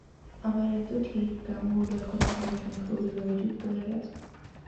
আবার এ-ও তো ঠিক, গ্রামগুলো এখন শহরের সঙ্গে গভীরভাবে যুক্ত হয়ে গেছে।